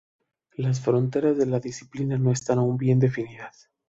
Las fronteras de la disciplina no están aún bien definidas.